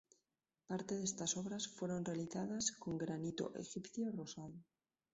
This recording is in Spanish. Parte de estas obras fueron realizadas con granito egipcio rosado.